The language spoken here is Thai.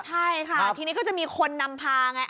ใช่ค่ะทีนี้ก็จะมีคนนำพาไง